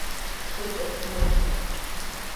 Шәҽырҿашәмыжьын…